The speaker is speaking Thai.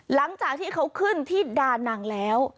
หลังจากที่เขาขึ้นที่ดานังแล้ว